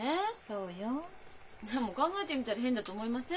でも考えてみたら変だと思いません？